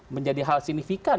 menjadi hal signifikan